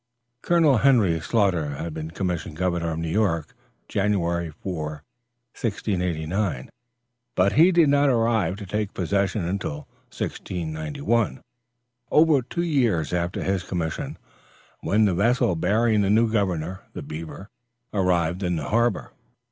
Colonel Henry Sloughter had been commissioned governor of New York, January 4, 1689; but he did not arrive to take possession until 1691, over two years after his commission, when the vessel bearing the new governor, The Beaver, arrived in the harbor.